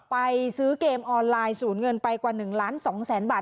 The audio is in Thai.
ไปซื้อเกมออนไลน์สูญเงินไปกว่า๑ล้าน๒แสนบาท